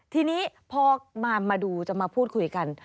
ทีนี้พอมาดูจะมาพูดคุยกัน